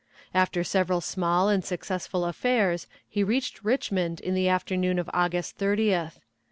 After several small and successful affairs, he reached Richmond in the afternoon of August 30th.